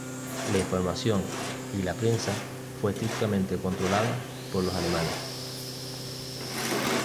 La información y la prensa fue estrictamente controlada por los alemanes.